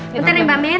bentar ya mbak mir